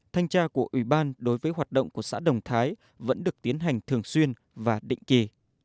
thanh tra của ủy ban đối với hoạt động của xã đồng thái vẫn được tiến hành thường xuyên và định kỳ